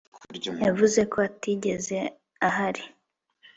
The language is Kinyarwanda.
Yavuze ko atigeze ahari